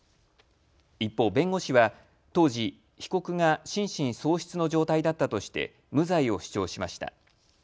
一方、弁護士は当時、被告が心神喪失の状態だったとして無罪を主張しました。